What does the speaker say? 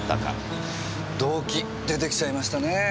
動機出てきちゃいましたねぇ。